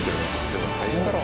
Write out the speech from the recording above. でも大変だろう。